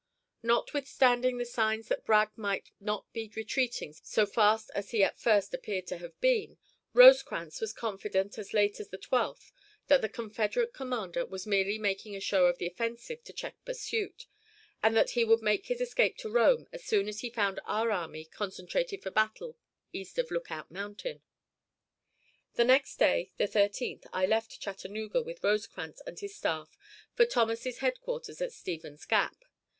Notwithstanding the signs that Bragg might not be retreating so fast as he at first appeared to have been, Rosecrans was confident as late as the 12th that the Confederate commander was merely making a show of the offensive to check pursuit, and that he would make his escape to Rome as soon as he found our army concentrated for battle east of Lookout Mountain. The next day (the 13th) I left Chattanooga with Rosecrans and his staff for Thomas's headquarters at Stevens's Gap.